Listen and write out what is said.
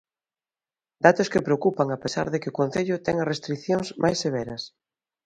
Datos que preocupan a pesar de que o concello ten as restricións máis severas.